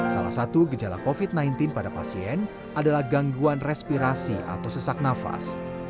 salah satu gejala covid sembilan belas pada pasien adalah gangguan respirasi atau sesak nafas